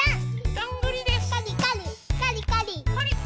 どんぐりです。